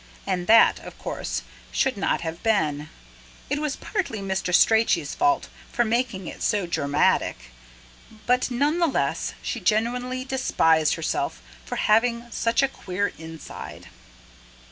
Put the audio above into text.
And that, of course, should not have been. It was partly Mr. Strachey's fault, for making it so dramatic; but none the less she genuinely despised herself, for having such a queer inside.